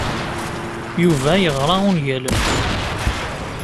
Yuba yeɣra ungalen.